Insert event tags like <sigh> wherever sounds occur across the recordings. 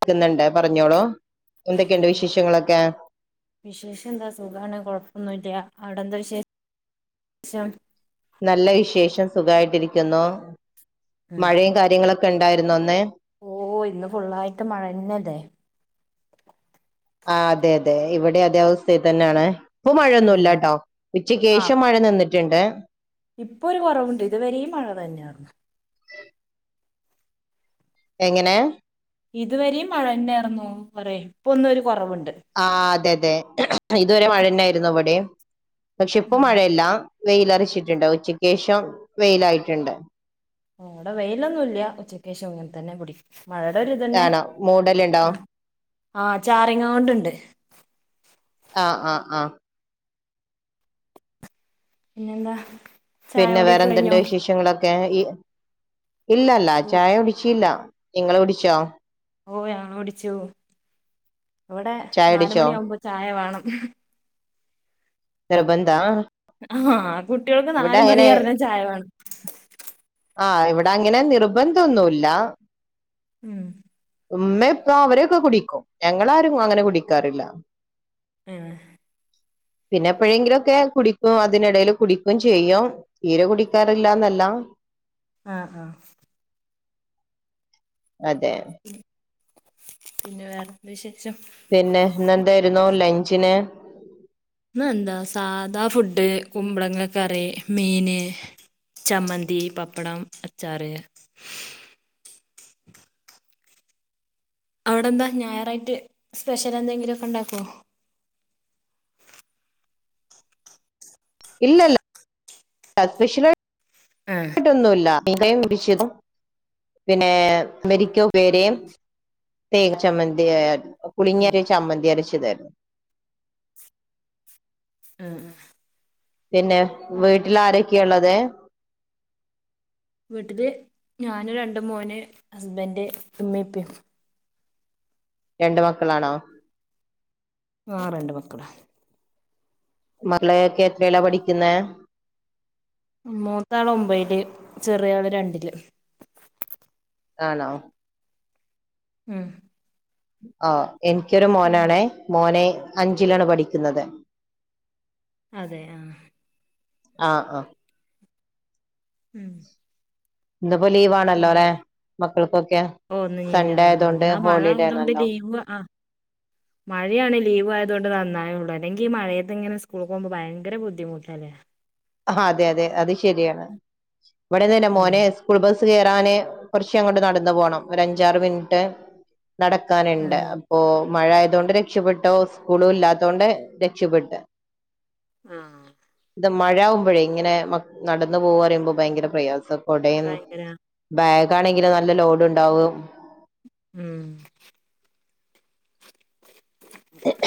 കേക്കുന്നുണ്ട് പറഞ്ഞോളു വിശേഷം എന്താ സുഖമാണ് കൊഴപ്പൊന്നുല്ല അവിടെ എന്താ വിശേഷ ഷം നല്ല വിശേഷം സുഖമായിട്ടിരിക്കുന്നു ഉം മഴയും കാര്യങ്ങള ഒക്കെ ഒണ്ടായിരുന്നോ അന്നേ ഓ ഇന്ന് ഫുള്ളായിട്ട് മഴന്നല്ലേ ആ അതെ അതെ ഇവിടെ അതേ അവസ്ഥയി തന്നെയാണ് ഇപ്പോ ഉം മഴയൊന്നുല്ലാട്ടോ ആ ഉച്ചക്ക്ശേഷം മഴ നിന്നിട്ടുണ്ട് ഇപ്പൊ ഒരു കൊറവുണ്ട് ഇതുവരെയും മഴ തന്നെ എങ്ങനെ ഇതുവരെയും മഴ തന്നാരുന്നു പറയ ഇപ്പം ഒന്ന് ഒരു കുറവുണ്ട് ആഹ് അതെ അതെ ഇതുവരെ മഴ തന്നെയായിരുന്നു ഇവിടെയും പക്ഷെ ഇപ്പൊ ഉം മഴയില്ല വെയിലരച്ചിട്ടുണ്ട് ഉച്ചയ്ക്ക് ശേഷം വെയിലായിട്ടുണ്ട് ആ ഇവിടെ വെയിലൊന്നും ഇല്ല ഉച്ചക്ക് ശേഷം അങ്ങനെ തന്നേ ഇവിടെയും മഴയുടെ ഒരു ഇത് തന്നേ ആണോ മൂടലുണ്ടോ ആ ചാറിങ്ങാണ്ടുണ്ട് ആഹ് ആഹ് ആഹ് പിന്നെ എന്താ പിന്നെ വേറെ എന്തിണ്ട് വിശേഷങ്ങളൊ <unintelligible> ഇല്ലല്ല സു ചായ ഒടിച്ചില്ല നിങ്ങള് കുടിച്ചോ ഓ ഞാൻ കുടിച്ചു ഇവിടെ ചായ കുടിച്ചോ നാലുമണി ആകുമ്പോ ചായ വാണം നിർബന്ധാ ആഹ കുട്ടികൾക്ക് നാല് മണി അറിഞ്ഞ ചായ വാണ ആഹ ഇവിടെ അങ്ങനെ നിർബന്ധംന്നുല്ല മ് ഉമ്മ ഇപ്പ അവരൊക്കെ കുടിക്കും ഞങ്ങളാരും അങ്ങനെ കുടിക്കാറില്ല ഹേ പിന്നെ എപ്പോഴെങ്കിലുംക്കെ കുടിക്കും അതിനിടൽ കുടിക്കും ചെയ്യും തീരെ കുടിക്കാറില്ലന്നല്ല ആ ഹാ അതെ പിന്നെ വേറെ എന്ത്‌ വിശേഷം പിന്നെ ഇന്നെന്തായിരുന്നു ലഞ്ചിന് ഇന്ന് എന്താ സാധാ ഫുഡ് കുമ്പളങ്ങ കറി മീന് ചമ്മന്തി, പാപ്പടം, അച്ചാർ അവിടെന്താ ഞായറായിട്ട് സ്പെഷ്യൽ എന്തെങ്കിലുമ ഒക്കെ ഉണ്ടാകോ ഇല്ലല്ല് പെഷല ആഹ് ട്ടൊന്നുല്ല യെണ്ടേലും വിശ പിന്നെ മെരിക്കോ ഉപേരിയും തേങ് ചമ്മന്തി പുളിങ്ങര ചമ്മന്തി അരച്ചതായിരുന്നു മ് മ് പിന്നെ വീട്ടിൽ ആരൊക്കെയള്ളത് വീട്ടില് ഞാനും രണ്ട് മോന് ഹസ്ബൻഡറ് ഉമ്മിമ് ഇപ്പിം രണ്ട് മക്കളാണോ ആ രണ്ട് മക്കള മളൊക്കെ എത്രല്ലാ പഠിക്കുന്ന മൂത്താള് ഒമ്പല് ചെറിയ ആള് രണ്ടില് ആണോ മ് ആ എനിക്കൊരു മോനാണേ മോനെ അഞ്ചിലാണ് പഠിക്കുന്നത് അതെ ആഹ ആഹ ആഹ ഉം ഇന്നിപ്പോ ലീവ് ആണല്ലോ പിന്നെ അല്ലേ മക്കൾക്കൊക്കെ ഓ ഒന്ന് സൺഡേ നീരാവണം ആയതൊണ്ട് എന്നാ ഹോളിഡേ ആണല്ലോ മഴയാണെങ്ക ലീവ് ആയത് കൊണ്ട് നന്നായേള്ളു അല്ലെങ്ക ഈ മഴയത്ത് ഇങ്ങനെ സ്കൂളിൽ പോകുമ്പോ ഭയങ്കര ബുദ്ധിമുട്ടല്ലേ ആ അതെ അതെ അത് ശരിയാണ് ഇവിടെന്ന് തന്നെ ഉം മോനെ സ്കൂൾ ബസ് കേയറാന് കുറച്ച് അങ്ങോട്ട് നടന്നു പോണം ഒരു അഞ്ചാറ് മിനിറ്റ് നടക്കാനുണ്ട് ഉം അപ്പോ മഴ ആയതൊണ്ട് രക്ഷപ്പെട്ടോ സ്കൂളും ഇല്ലാത്തോണ്ട് രക്ഷപ്പെട്ട് ആഹ ഇത് മഴ ആകുമ്പോഴേ ഇങ്ങനെ നടന്ന പോക പറയുമ്പോ ഭയങ്കര പ്രയാസം കുടയും ഭയങ്കര ബാഗ് ആണെങ്കിൽ നല്ല ലോഡ് ഉണ്ടാവും ഉം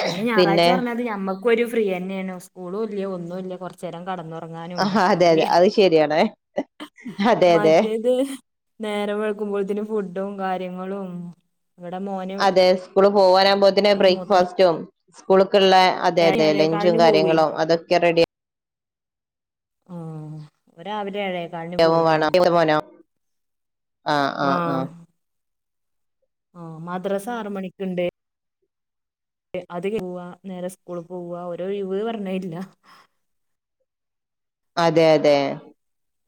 പിന്നെ ഞായറാഴ്ച പറഞ്ഞത് ഞമ്മക്ക ഒരു ഫ്രീ തന്നെയാണ് സ്കൂളും ഇല്ല ഒന്നുമില്ല കുറച്ചു നേരം കിടന്ന് ആ അതെ അതെ അത് ശരിയാണേ മറ്റേത് നേരം വൈകുമ്പോഴത്തിന് ഫുഡും കാര്യങ്ങളും ഉ ഇവിടെ മോന സ്കൂൾ പോകാനാകുമ്പോത്തിനു ബ്രേക്ക്ഫാസ്റ്റും സ്കൂ ള്ള അതെ ഏഴ് അതെ ലഞ്ചും ഏഴേകാലിന് പോവേ കാര്യങ്ങളും അതൊക്കെ റെഡി ആ ഒാവിലെ വേണന മോനോ ആഹ ആഹ ആഹ ആഹ മദ്രസ ആറ് മണിക്കുണ്ട് അത് പോവാ നേരെ സ്കൂള പോവവാ ഓരോ ഒഴിവു പറഞ്ഞാലില്ല അതെ അതെ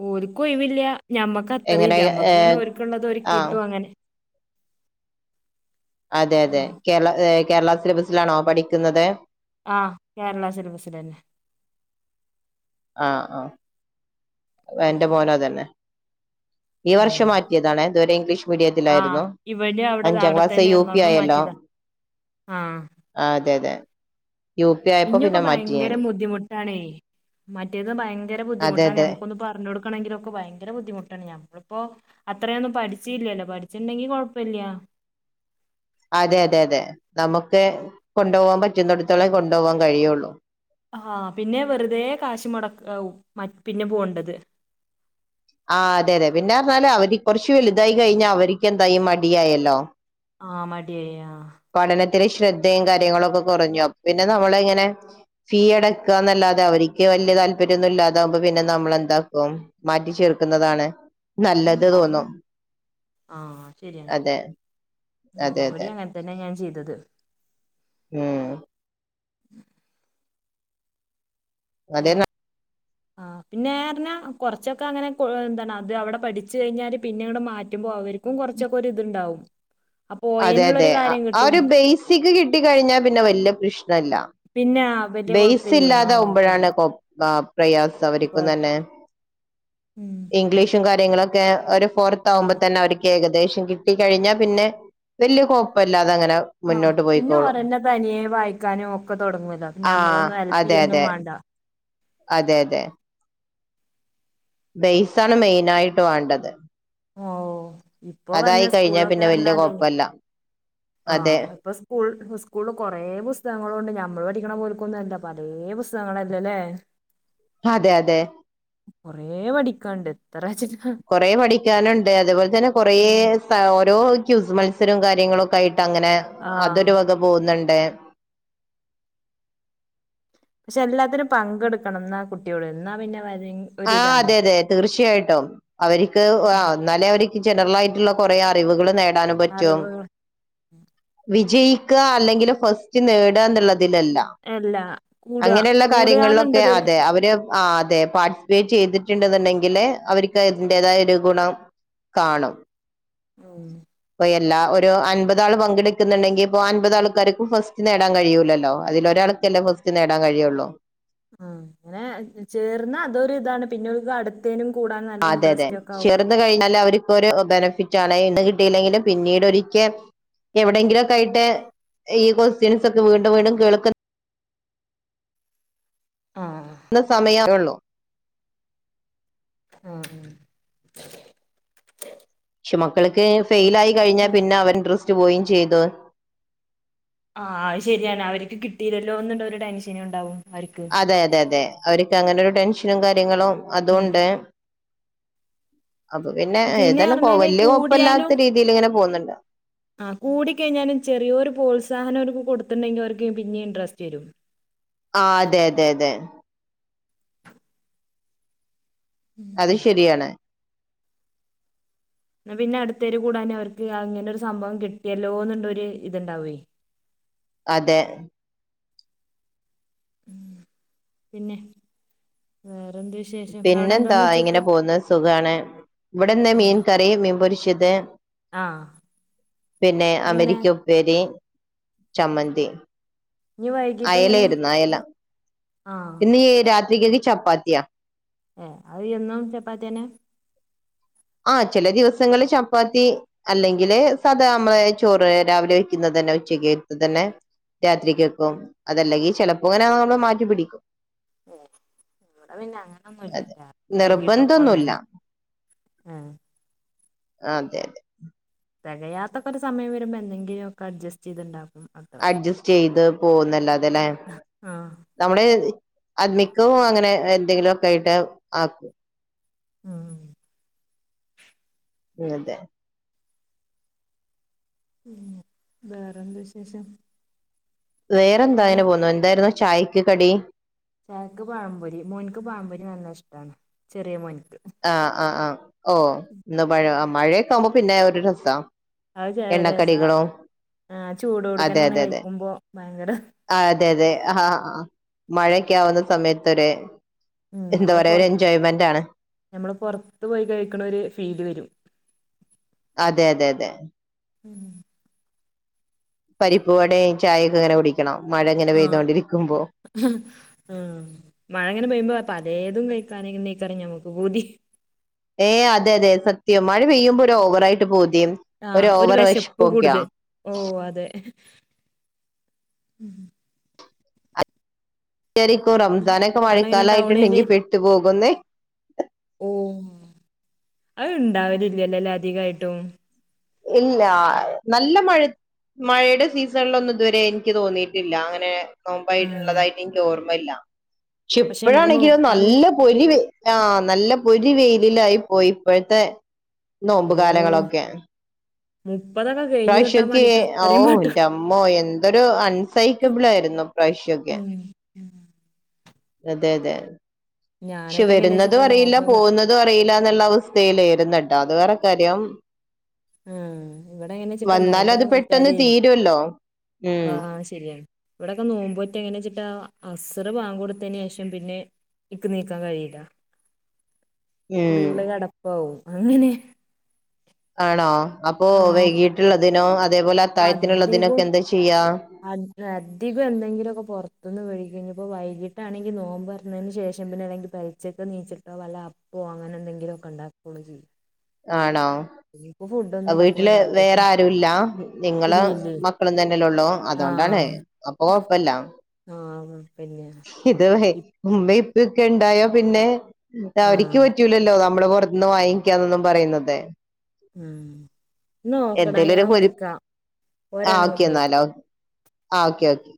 ഒരുക്കും ഒഴിവില്ല ഞമ്മക്ക് അത്ര എങ്ങനെ ഇല്ല നമ്മക്ക് ഇങ്ങനെ ഏഹ് ഒരുക്കുള്ളത് ഒർക്ക് ആഹ് കിട്ടും അങ്ങനെ അതെ അതെ കേരള ഏ കേരള സിലബസിലാണോ പഠിക്കുന്നത് ആഹ കേരള സിലബസിൽ തന്നെ ആഹ ആഹ എന്റെ മോനോ അത് തന്നെ ഈ ഉം വർഷം മാറ്റിയതാണ് ഇതുവരെ ഇംഗ്ലീഷ് ആഹ് മീഡിയത്തിലായിരുന്നു ഇവനും അവിടെ അഞ്ചാം അവിടെ ക്ലാസ് യു തന്നെയായിരുന്നു പി അവിടുന്ന് ആയല്ലോ മാറ്റിയതാ ആഹ് ആ അതെ അതെ യു പി ആയപ്പോ ഇഞ്ഞൊക്കെ പിന്നെ മാറ്റി ഞാൻ ഭയങ്കര ബുദ്ധിമുട്ടാണേ മറ്റേത് ഭയങ്കര അതെ ബുദ്ധിമുട്ടാണ് അതെ നമുക്കൊന്ന് പറഞ്ഞ കൊടുക്ക ണെങ്കില ഒക്കെ ഭയങ്കര ബുദ്ധിമുട്ടാണ് ഞമ്മളിപ്പോ അത്രയൊന്നും പഠിച്ചില്ലല്ലോ പഠിച്ചിണ്ടെങ്കി കുഴപ്പമില്ല അതെ അതെ അതെ നമുക്ക് കൊണ്ടുപോകാൻ പറ്റുന്നടത്തോളം കൊണ്ടുപോകാൻ കഴിയുള്ളു ആഹ പിന്നെ വെറുതെ കാഷ് മുടക്കയാവും മ പിന്നെ പോവണ്ടത് ആ അതെ അതെ പിന്നെഞ്ഞാല് അവർ കൊറച്ച് വലുതായി കഴിഞ്ഞ അവർക്ക് എന്തായി മടിയായല്ലോ ആ മടിയ പഠനത്തിലെ ശ്രദ്ധയും കാര്യങ്ങളുമൊക്കെ കുറഞ്ഞു അപ്പൊ പിന്നെ നമ്മള ഇങ്ങനെ ഫീ അടക്കുകല്ലാതെ തെ അവർക്ക് വലിയ താല്പര്യമൊന്നും ഇല്ലാതാവകുമ്പോ പിന്നെ നമ്മളെന്താക്കും മാറ്റി ചേർക്കുന്നതാണ് നല്ലത് തോന്നും ആഹ ശരിയാണ് അതെ അതെ ഉ ഇവിടെ അതെ അങ്ങനെ തന്നെ ഞാൻ ചെയ്തത് ഹം ഉ അതെന്ന ആഹ പിന്നെ എഞ്ഞാ കൊറച്ചൊക്കെ അങ്ങനെ എന്താണ് അത് അവിടെ പഠിച്ചു കഴിഞ്ഞാല് പിന്നെ ഇങ്ങടെ മാറ്റുമ്പോ അവർക്കും കുറച്ചൊക്കെ ഒര് ഇതുണ്ടാവും അപ്പൊ അതെ അതെ പോയേനുള്ളൊരു കാര്യം ആ കിട്ടും ഒരു ബേസിക് കിട്ടി കഴിഞ്ഞാൽ പിന്നെ വലിയ പ്രശ് പിന്നെ വലിയ കുഴപ്പില്ല ആ കുഴപ്പില്ല ബേസില്ലാതാകുമ്പോഴാണ് കൊ പ്രയാസം അവർക്കും തന്നെ ഉം ഇംഗ്ലീഷും കാര്യങ്ങളൊക്കെ ഒരു ആ പുറത്താവുമ്പോ തന്നെ അവർക്ക് ഏകദേശം കിട്ടി കഴിഞ്ഞാൽ പിന്നെ വലിയ കൊഴപ്പല്ല ആ പിന്നെ ഓരന്നെ തനിയെ വായിക്കാനും ഒക്കെ തുടങ്ങോല്ലോ ആഹ് ഞമ്മളൊന്നും ഹെല്പ് അതെ ചെയ്യന്നും അതെ വേണ്ട അതെ അതെ ബെയിസ് ആണ് മെയിൻ ആയിട്ട് വേണ്ടത് ഓ ഇപ്പൊ പറഞ്ഞ അതായി കഴിഞ്ഞാൽ സ്കൂളൊക്കെ പിന്നെ വല്യ പറഞ്ഞാലേ കുഴപ്പല്ല ആ അതെ ഇപ്പൊ സ്കൂൾ സ്കൂള് കൊറെ പുസ്തകങ്ങളണ്ട് നമ്മൾ പഠിക്കണ പോലക്കൊന്നുംല്ല പലേ പുസ്തകങ്ങളല്ലേല്ലേ അതെ അതെ കൊറേ പഠിക്കാണ്ട് എത്രാച്ച് കൊറേ പഠിക്കാനുണ്ട് അതുപോലെ തന്നെ കൊറെ ഉം ഓരോ ക്യൂസ് മത്സരവും കാര്യങ്ങളും ഒക്കെ ആയിട്ട് അങ്ങനെ ആഹ് അതൊരു വക പോകുന്നുണ്ട് പക്ഷെ എല്ലാത്തിനും പങ്കെടുക്കണം എന്നാ കുട്ടിയോട് എന്നാ പിന്നെ ആ ഒരിതാണ് അതെ അതെ തീർച്ചയായിട്ടും അവർക്ക് ആന്നാല അവ ജനറൽ ആയിട്ടുള്ള കുറെ അറിവുകൾ നേടാനും പറ്റും അറിവുകൾ ജയിക്കുക അല്ലെങ്കിൽ ഫസ്റ്റ് നേടുക എന്നുള്ളത് തിലല്ല അല്ല കൂടുക അങ്ങനെയുള്ള കാര്യങ്ങളിലൊക്കെ കൂടുകന്നുണ്ടതൊരു അതെ അവര് ആ അതേ പാർട്ട് വെയിറ്റ് ചെയ്തിട്ടുണ്ടെന്നുണ്ടെങ്കില് അവർക്ക് അതിന്റേതായ ഒരു ഗുണം കാണും ഉം ല്ല ഒരു അൻപത് ആൾ പങ്കെടുക്കുന്നുണ്ടെങ്കിൽ ഇപ്പോ അൻപത് ആൾക്കാർക്കും ഫസ്റ്റ് നേടാൻ കഴിയൂല്ലല്ലോ അതില് ഒരാൾ എന്റെ ഫസ്റ്റ് നേടാൻ കഴിയുള്ളൂ ആ അങ്ങനെ ചേർന്ന അതൊരു ഇതാണ് പിന്നെ അടുത്തേനും കൂടാൻ നല്ല അതെ അതെ ഇൻട്രസ്റ്റ് ഒക്കെ ആവും ചേർന്ന് കഴിഞ്ഞാല് അവർ ഒരു ബെനഫിറ്റ് ആണ് ഇന്ന് കിട്ടിയില്ലെങ്കിലും പിന്നീട് ഒരിക്കൽ എവിടെയങ്കിലും ഒക്കെ ആയിട്ട് ഈ കൊസ്റ്റ്യൻസ് ഒക്കെ വീണ്ടും വീണ്ടും കേൾക്കു ആ എന്ന സമയം ഉള്ളൂ ആ ഉം പക്ഷെ മക്കൾക്ക് ഫെയിൽ ആയി കഴിഞ്ഞാ പിന്നെ അവർ ഇൻട്രസ്റ്റ് പോയും ചെയ്തു ആഹ് അത് ശരിയാണ് അവർക്ക് കിട്ടിയില്ലല്ലോ ഒന്നുണ്ടോ ഒരുട ടെൻഷനും ഉണ്ടാവും അവർക്ക് അതെ അതെ അതെ അവർക്ക് അങ്ങനൊരു ടെൻഷനും കാര്യങ്ങളും ഉം അതൊണ്ട് അപ്പൊ പിന്നെ ഏതായാലും വല്യ കൊഴപ്പല്ലാത്ത രീതിയിൽ ഇങ്ങനെ പോകുന്നുണ്ട് ആ കൂടിക്കഴിഞ്ഞാലും ചെറിയൊരു പ്രോത്സാഹനം ഒരു കൊടുത്ത്ണ്ടെങ്കി അവർക്ക് പിന്നെ ഇൻട്രസ്റ്റ് വരും ആ അതെ അതെ അതെ അത് ഉം ശരിയാണ് എന്ന പിന്നെ അടുത്തേര് കൂടാനും അവർക്ക് അങ്ങനെ ഒരു സംഭവം കിട്ടിയല്ലോന്ന്ള്ള ഒരു ഇത്ണ്ടാവേ അതെ പിന്നെ വേറെന്ത് വിശേഷം അവിടെ പിന്നെന്താ എന്താന്ന് ഉച്ചക്ക് ഇങ്ങനെ പോകുന്നത് സുഖമാണ് ഇവിടെന്ന് ഉം മീൻ കറി മീൻപൊരിച ത് ആഹ് പിന്നെ എങ്ങനെ അമരിക്ക ഉപ്പേരി ചമ്മന്തി ഇനി വൈകിട്ട് എങ്ങനെ അയലായിരുന്നു അയല ആഹ് പിന്നെ രാത്രികക്ക് ചപ്പാത്തിയാ ഏ അത് എന്നും ചപ്പാത്തിയേനെ ആ ചില ദിവസങ്ങള് ചപ്പാത്തി അല്ലെങ്കില് സദാ നമ്മളെ ചോറ് രാവിലെ വെക്കുന്നത് തന്നെ ഉച്ചക്ക്ത്ത് തന്നെ രാത്രികക്കും അതല്ലെങ്കിൽ ചിലപ്പോൾങ്ങനെ നമ്മള് മാറ്റി പിിടിക്കും ഏ ഇവിടെ പിന്നെ അതെ അങ്ങനൊന്നുംല്ലും വൈകിട്ട ഒപ്പ ഒന്ന നിർബന്ധൊന്നുല്ല തന്നെ ആ അതെ അതെ തെകയാത്തക്കരു സമയം വരുമ്പോ എന്തെങ്കിലും ഒക്കെ അഡ്ജസ്റ്റ് ചെയ്തുണ്ടാവും അഡ്ജസ്റ്റ് ചെയ്ത് പോകുന്നല്ല അതെല്ലെ ആഹ് നമ്മള അത് മിക്കവും അങ്ങനെ എന്തെങ്കിലുമ ഒക്കെ ആയിട്ട് ആക്കും ആഹ അ അതെ പിന്നെ വേറെന്ത വിശേഷം വേറെ എന്താ അങ്ങനെ അന് പോന്നു എന്തായ ചക്ക് പാമ്പൊരി മോൻക്ക് പാമ്പൊരി നല്ല ഇഷ്ടമാണ് ചെറിയ മോൻ ആഹ് ആ ആഹ് ഓ ഇന്ന് മഴ മഴയൊക്കെ ആവുമ്പോ പിന്നെ ഒരു രസ അത് ചേശ ആ ചൂട് കൊടുക്കൻ ഇങ്ങനെ കഴിക്കുമ്പോ ഭയങ്കര ആ അതെ അതെ ആ മഴയൊക്കെ ആവുന്ന സമയത്തൊരെ എന്താ പറയയാ ഒരു എൻജോയ്മെന്റ് ആണ് നമ്മൾ പുറത്തു പോയി കഴിക്കണ ഒരു ഫീല് വരും അതെ അതെ അതെ ഉം പരിപ്പ് വടയും ചായയൊക്കെ ഇങ്ങനെ കുടിക്കണം മഴ ഇങ്ങനെ ആ പെയ്തോണ്ടിരിക്കുമ്പോ ക്കറ നമക്ക് പൂതി ഏ അതെ അതെ സത്യം മഴ പെയ്യുമ്പോ ഒരു ഓവറായിട്ട് പോരും ഒരു ഓവർ വെശ്പൊക്ക്യ ഉം ശരിക്കും റംസാനൊക്കെ അവിടെ എങ്ങനെ ടൗൺ ഏരിയ മഴക്കാലായിട്ടുണ്ടെങ്കി പെട്ടുപോകുന്നേ ഓ അത് ഇണ്ടാവലില്ലലേ അധികായിട്ടും ഇല്ല നല്ല മഴ മഴേടെ സീസൺലൊന്നും ഇതുവരെ ഇൻക്ക് തോന്നിട്ടില്ല അങ്ങനെ ഉം നോമ്പായിട്ടീള്ളതായിട്ട് ഇൻക്ക് ഓർമ്മല്ല ക്ഷെമിക്കണം പക്ഷെ നമ്മുക്ക് ഇപ്പഴാണെങ്കിലോ നോക്കാനും നല്ല പൊരി വെയ് ആ നല്ല പൊരി വെയിലിലായി പോയി ഇപ്പഴ്ത്തെ നോമ്പുകാലങ്ങളൊക്കെ ഉം പ്രാവശ്യക്ക ഓ എന്റെ അമ്മോ എന്തൊരു അൺസൈക്കബിൾ ആയിരുന്നു പ്രാവശ്യ ഒക്കെ ഉം അതെ അതെ ഷെ ഞാനൊക്കെ വരുന്നതും എങ്ങനെച്ചിട്ടാ അറീല്ല നോമ്പൊക്കെ പോന്നതും അറീ ല്ല എന്നുള്ള അവസ്ഥൽ വരുന്നട്ടോ അത് വേറെ കാര്യം ഉം ഇവിടെ എങ്ങനെ ചിട്ടാ വന്നാൽ അത് നോമ്പൊക്കെന്ന് പെട്ടെന്ന് വെച്ചാരേ തീരുമല്ലോ ഉം ആഹ ശരിയാണ് ഇവിടെക്കെ നോമ്പോറ്റ എങ്ങനെ ചിട്ടാ അസറ് ബാങ്കൊടുത്തതിന് ശേഷം പിന്നെ ഇക്ക് നീക്കാൻ കഴിയില്ല ഉം ഫുള്ള് കടപ്പാവും അങ്ങനെ ആണോ അപ്പോ ആഹ് വൈകിട്ടുള്ളതിനോ അധികം അധികം എന്തെങ്കിലുംക്കെ പൊർത്തുന്ന് വേടിക്ക വൈകിട്ടാണെങ്കിൽ നോമ്പ് തുറന്നതിന് ശേഷം പിന്നെണെങ്കിൽ പരിച്ചൊക്കെ നീച്ചിട്ടോ വല്ല അപ്പോ അങ്ങനെ എന്തെങ്കിലും കണ്ടാ ചെയ്യ ആണോ ഉണ്ടാക്കാൻ വീട്ടില് പറ്റില്ല വേറെ അപ്പോഴത്തിന് ആരും ഇല്ല നിങ്ങള് ഇല്ല ഇല്ലേ മക്കളും തന്നെല്ലള്ളോ അതോ ണ്ടാണ് ആഹ് അപ്പൊ കൊഴപ്പല്ല ആഹ് പിന്നെ ഇത് മൈ ഒക്കെ ഉണ്ടായോ പിന്നെ അവർക്ക് ആഹ് പറ്റൂലല്ലോ നമ്മളെ പുറത്തുന്ന് വാങ്ങിക്കാന്നൊന്നും പറയുന്നത് ഉം ന്നോക്കടാ ഞാൻ എന്തെലും ഒരു വിളിക്കാം ആ ഒരെണ്ണം കൂടി ഓക്കെ വിളിക്കാം എന്നാല ആ ഓക്കെ ഓക്കെ